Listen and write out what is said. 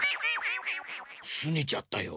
すねちゃったよ。